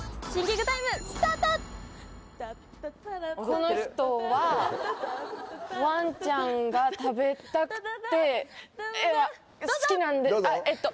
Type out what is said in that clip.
この人はわんちゃんが食べたくていや好きなんであっえっと。